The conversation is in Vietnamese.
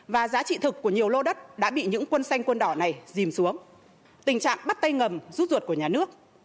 và giá trị thực của nhiều lô đất đã bị những quân xanh quân đỏ này dìm xuống tình trạng bắt tay ngầm rút ruột của nhà nước